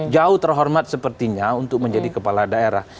jauh terhormat sepertinya untuk menjadi kepala daerah